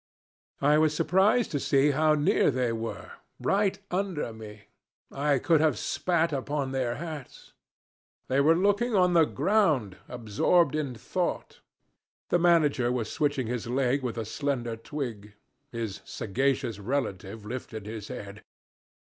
I was surprised to see how near they were right under me. I could have spat upon their hats. They were looking on the ground, absorbed in thought. The manager was switching his leg with a slender twig: his sagacious relative lifted his head.